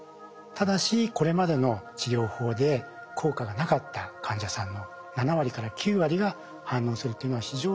ただしこれまでの治療法で効果がなかった患者さんの７割から９割が反応するというのは非常に高い治療効果。